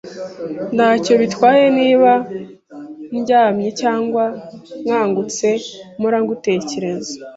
Ntacyo bitwaye niba ndyamye cyangwa nkangutse, mpora ngutekereza.